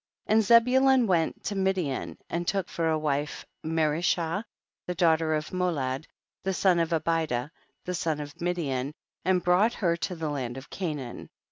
19. And Zebulun went to Midian, and took for a wife Merishah the daughter of Molad, the son of Abi da, the son of Midian, and brought her to the land of Canaan.